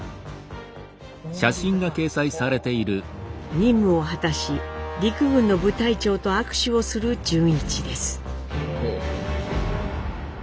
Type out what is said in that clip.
任務を果たし陸軍の部隊長と握手をする潤一です。